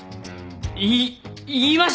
い言いました。